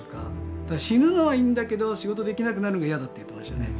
死ぬのはいいんだけど仕事できなくなるのが嫌だって言ってましたね。